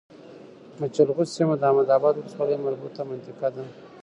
مچلغو سيمه د احمداباد ولسوالی مربوطه منطقه ده